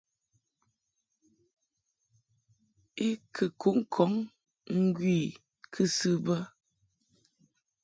I kɨ kuʼ ŋkɔŋ ŋgwi I kɨsɨ bə.